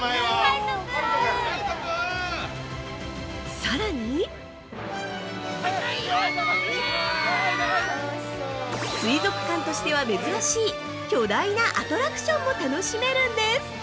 ◆さらに水族館としては珍しい巨大なアトラクションも楽しめるんです！